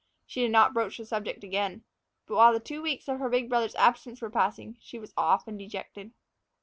She did not broach the subject again. But while the two weeks of her big brothers' absence were passing, she was often dejected.